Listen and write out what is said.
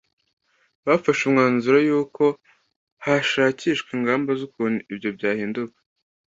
Bafashe umwanzuro yuko hashakishwa ingamba z’ukuntu ibyo byahinduka